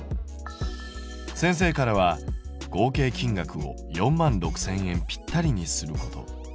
先生からは合計金額を４万６０００円ぴったりにすること。